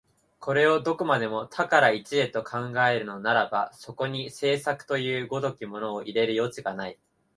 これをどこまでも多から一へと考えるならば、そこに製作という如きものを入れる余地がない。